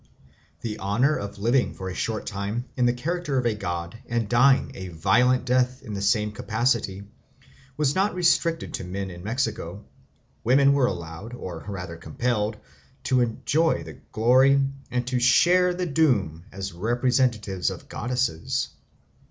The honour of living for a short time in the character of a god and dying a violent death in the same capacity was not restricted to men in Mexico; women were allowed, or rather compelled, to enjoy the glory and to share the doom as representatives of goddesses.